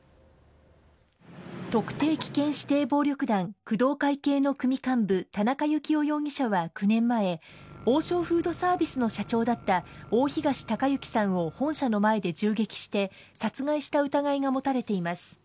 特定危険指定暴力団工藤会系の組幹部田中幸雄容疑者は９年前王将フードサービスの社長だった大東隆行さんを本社の前で銃撃して殺害した疑いが持たれています。